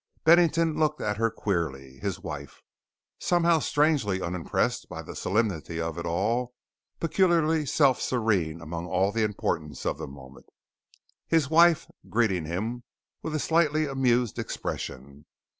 Bennington looked at her queerly. His wife. Somehow strangely unimpressed by the solemnity of it all; peculiarly self serene among all of the importance of the moment. His wife, greeting him with a slightly amused expression.